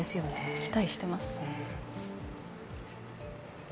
期待してます。